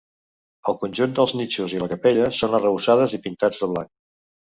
El conjunt dels nínxols i la capella són arrebossades i pintats de blanc.